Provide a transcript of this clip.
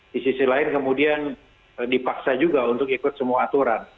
di sisi lain kemudian dipaksa juga untuk ikut semua aturan